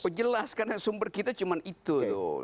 perjelas karena sumber kita cuma itu tuh